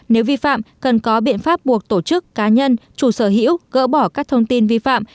nếu vi phạm cần có biện pháp buộc tổ chức cá nhân chủ sở hữu gỡ bỏ các thông tin vi phạm